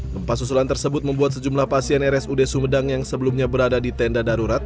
gempa susulan tersebut membuat sejumlah pasien rsud sumedang yang sebelumnya berada di tenda darurat